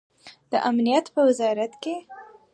د امنیت په وزارت کې